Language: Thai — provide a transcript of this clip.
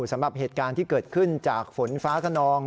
สำหรับเหตุการณ์ที่เกิดขึ้นจากฝนฟ้าขนอง